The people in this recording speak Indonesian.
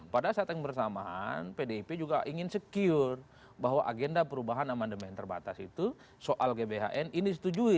pada saat yang bersamaan pdip juga ingin secure bahwa agenda perubahan amandemen terbatas itu soal gbhn ini disetujui